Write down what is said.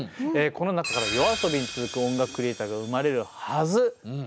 この中からＹＯＡＳＯＢＩに続く音楽クリエイターが生まれるはず！